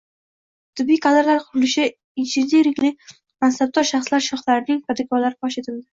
Tibbiy kadrlar qurilishi ininiringli mansabdor shaxslar shoxlarining kirdikorlari fosh etildi